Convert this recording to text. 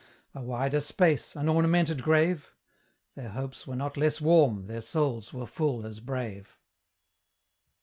A wider space, an ornamented grave? Their hopes were not less warm, their souls were full as brave.